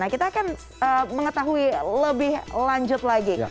nah kita akan mengetahui lebih lanjut lagi